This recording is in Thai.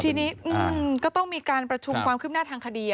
ทีนี้ก็ต้องมีการประชุมความคืบหน้าทางคดี